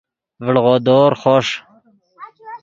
ڤڑغودور خوݰ